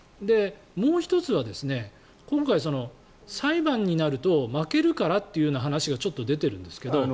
もう１つは今回、裁判になると負けるからという話がちょっと出ているんですけど。